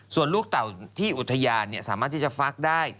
ส่วนลูกเต่าที่อุทยานสามารถที่จะฟักได้